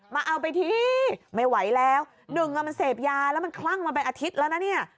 เอาไปทีไม่ไหวแล้วหนึ่งมันเสพยาแล้วมันคลั่งมันเป็นอาทิตย์แล้วนะเนี่ย